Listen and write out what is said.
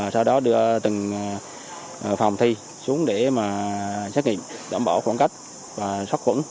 sau đó đưa từng phòng thi xuống để xét nghiệm đảm bảo khoảng cách và sát khuẩn